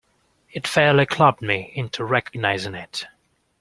It fairly clubbed me into recognizing it.